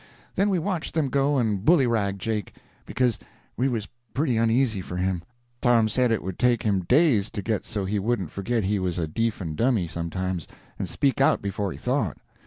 Then we watched them go and bullyrag Jake; because we was pretty uneasy for him. Tom said it would take him days to get so he wouldn't forget he was a deef and dummy sometimes, and speak out before he thought.